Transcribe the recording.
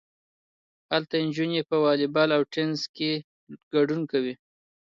هلته نجونې په والی بال او ټینس کې ګډون کوي.